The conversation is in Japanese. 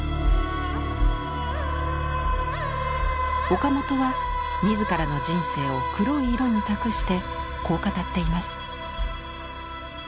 岡本は自らの人生を黒い色に託してこう語っています。